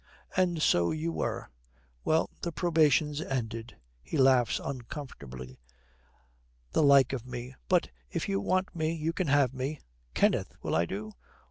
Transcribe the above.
'And so you were. Well, the probation's ended.' He laughs uncomfortably. 'The like of me! But if you want me you can have me.' 'Kenneth, will I do?'